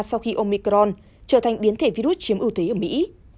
sau khi omicron trở thành biến thể virus chiếm ưu thế ở mỹ